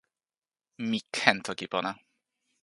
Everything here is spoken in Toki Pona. mi ken toki pona.